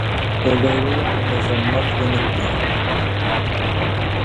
موبایلونه به مزاحمت ونه کړي.